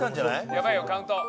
「やばいよカウント」